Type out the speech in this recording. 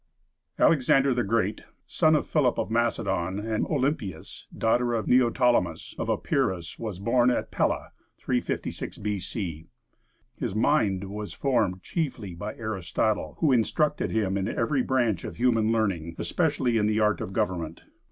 ] Alexander the Great, son of Philip of Macedon and Olympias, daughter of Neoptolemus of Epirus, was born at Pella, 356 B.C. His mind was formed chiefly by Aristotle, who instructed him in every branch of human learning, especially in the art of government.